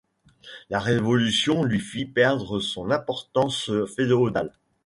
La Révolution lui fit perdre son importance féodale.